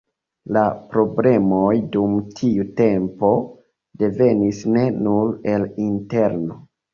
La problemoj dum tiu tempo devenis ne nur el interno.